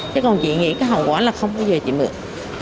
chứ còn chị nghĩ cái hậu quả là không bao giờ chị mượn